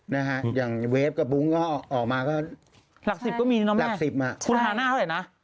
นะฮะอย่างเวฟกับบุ้งก็ออกมาก็หลักสิบก็มีเนอะหลักสิบอ่ะคุณฮาน่าเท่าไหร่นะ